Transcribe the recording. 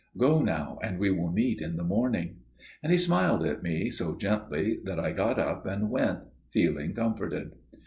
Go now, and we will meet in the morning." And he smiled at me so gently that I got up and went, feeling comforted.